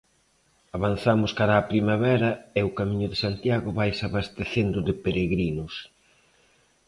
Avanzamos cara a primavera e o Camiño de Santiago vaise abastecendo de peregrinos.